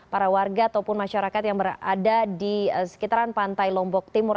para warga ataupun masyarakat yang berada di sekitaran pantai lombok timur